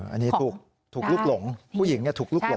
อันนี้ถูกลุกหลงผู้หญิงถูกลุกหลง